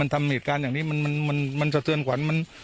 มันทำเหตุการณ์อย่างนี้มันมันมันสะเตือนขวัญมัน